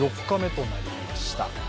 ４日目となりました。